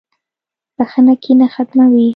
• بخښنه کینه ختموي.